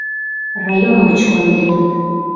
Район гыч конденыт».